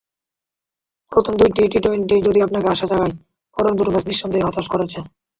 প্রথম দুই টি-টোয়েন্টি যদি আপনাকে আশা জাগায়, পরের দুটো ম্যাচ নিঃসন্দেহে হতাশ করেছে।